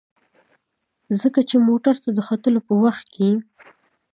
ځکه چې موټر ته د ختلو په وخت کې.